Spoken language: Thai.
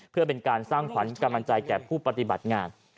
เพื่อเป็นการสร้างผลันกับมันใจจากผู้ปฏิบัติงาน